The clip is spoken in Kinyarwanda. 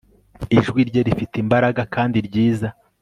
ijwi rye rifite imbaraga kandi ryiza